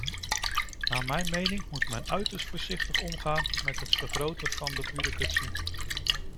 Naar mijn mening moet men uiterst voorzichtig omgaan met het vergroten van de bureaucratie.